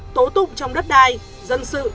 tố tụng trong đất đai dân sự